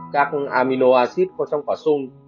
các amino acid có trong quả sung